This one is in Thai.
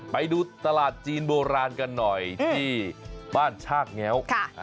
ไปดูตลาดจีนโบราณกันหน่อยที่บ้านชากแง้ว